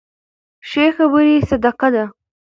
ښې خبرې صدقه ده.